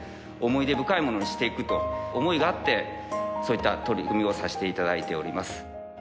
思い出深いものにしていくと思いがあってそういった取り組みをさせて頂いております。